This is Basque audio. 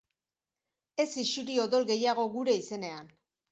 Ez isuri odol gehiago gure izenean.